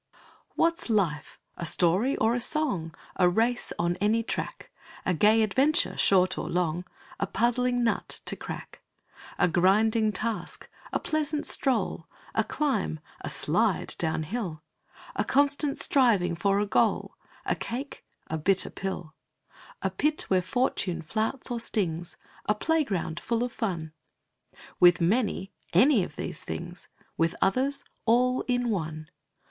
What's life? A story or a song; A race on any track; A gay adventure, short or long, A puzzling nut to crack; A grinding task; a pleasant stroll; A climb; a slide down hill; A constant striving for a goal; A cake; a bitter pill; A pit where fortune flouts or stings; A playground full of fun; With many any of these things; With others all in one.